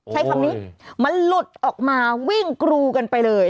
ใช้คำนี้มันหลุดออกมาวิ่งกรูกันไปเลย